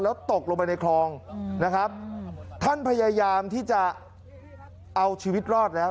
แล้วตกลงไปในคลองนะครับท่านพยายามที่จะเอาชีวิตรอดแล้ว